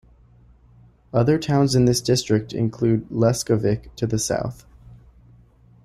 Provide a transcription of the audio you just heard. Other towns in this district include Leskovik to the south.